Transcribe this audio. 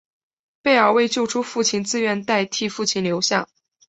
贝儿为救出父亲自愿代替父亲留下。